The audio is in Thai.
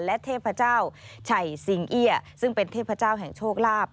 และเทพเจ้าชัยสิงเอี้ยซึ่งเป็นเทพเจ้าแห่งโชคลาภ